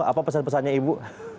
apa pesan pesannya ibu